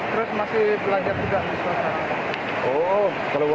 terus masih pelajar juga di suasana